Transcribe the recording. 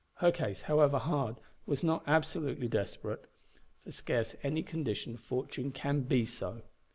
Her case, however hard, was not absolutely desperate; for scarce any condition of fortune can be so.